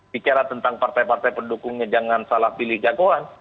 bicara tentang partai partai pendukungnya jangan salah pilih jagoan